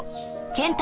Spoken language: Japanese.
健太？